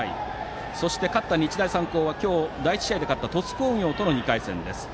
そして勝った日大三高は今日第１試合で勝った鳥栖工業との２回戦です。